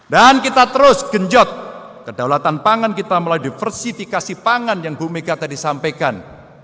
dan kita terus genjot kedaulatan pangan kita melalui diversifikasi pangan yang bumika tadi sampaikan